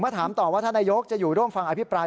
ถามต่อว่าท่านนายกจะอยู่ร่วมฟังอภิปราย